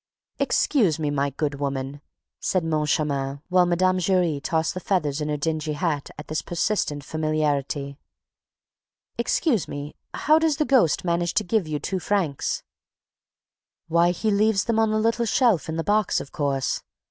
"Excuse me, my good woman," said Moncharmin, while Mme. Giry tossed the feathers in her dingy hat at this persistent familiarity, "excuse me, how does the ghost manage to give you your two francs?" "Why, he leaves them on the little shelf in the box, of course.